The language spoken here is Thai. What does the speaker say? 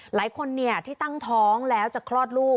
หลายคนที่ตั้งท้องแล้วจะคลอดลูก